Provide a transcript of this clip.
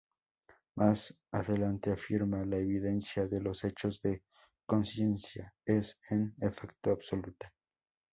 Más adelante afirma: ""La evidencia de los hechos de conciencia es, en efecto, absoluta.